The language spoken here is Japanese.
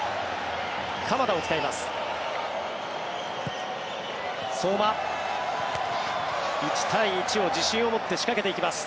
鎌田を使います。